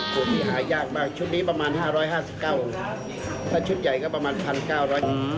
คุณพี่หายากมากชุดนี้ประมาณ๕๕๙กิโลกรัมถ้าชุดใหญ่ก็ประมาณ๑๙๐๐กิโลกรัม